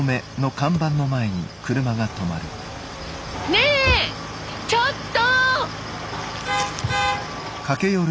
ねえちょっと！